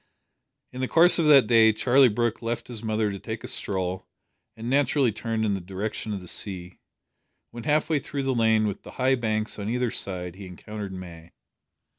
In the course of that day Charlie Brooke left his mother to take a stroll, and naturally turned in the direction of the sea. When half way through the lane with the high banks on either side he encountered May.